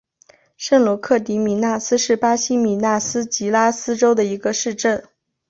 圣罗克迪米纳斯是巴西米纳斯吉拉斯州的一个市镇。